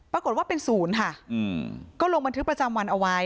ปรากฏว่าเป็นศูนย์ค่ะก็ลงบันทึกประจำวันเอาไว้